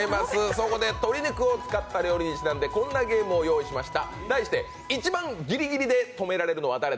そこで鶏肉にちなんでこんなゲームをご用意しました。